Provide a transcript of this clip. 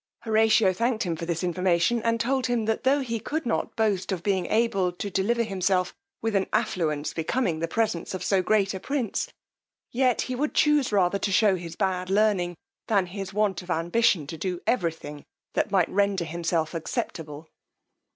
Horatio thanked him for this information, and told him, that tho' he could not boast of being able to deliver himself with an affluence becoming the presence of so great a prince, yet he would chuse rather to shew his bad learning, than his want of ambition to do every thing that might render himself acceptable.